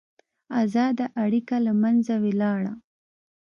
ازاده اړیکه له منځه ولاړه.